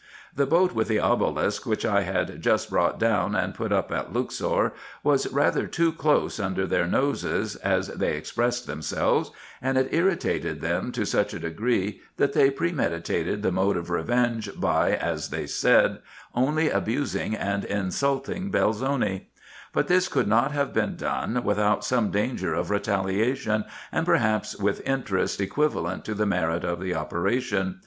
The boat with the obelisk which I had just brought down and put up at Luxor, was rather too close under their noses, as they expressed themselves ; and it irritated them to such a degree, that they premeditated the mode of revenge by, as they said, only abusing and insulting Belzoni ; but this could not have been done without some danger of retaliation, and perhaps with interest equivalent to the merit of the operation.